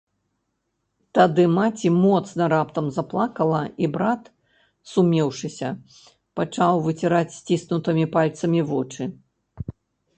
Тады маці моцна раптам заплакала, і брат, сумеўшыся, пачаў выціраць сціснутымі пальцамі вочы.